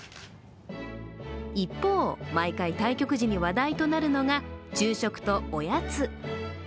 一方、毎回対局時に話題となるのが昼食とおやつ。